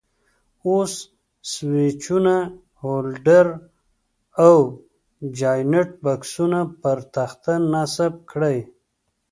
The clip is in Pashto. اوس سویچونه، هولډر او جاینټ بکسونه پر تخته نصب کړئ.